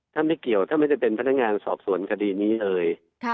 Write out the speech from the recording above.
ถ้าไม่เกี่ยวท่านไม่ได้เป็นพนักงานสอบสวนคดีนี้เลย